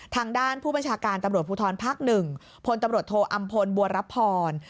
ทางด้านผู้บัญชาการตำรวจภูทรภักดิ์หนึ่งผลตำรวจโทอำพลบัวรพร